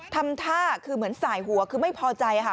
ทำท่าคือเหมือนสายหัวคือไม่พอใจค่ะ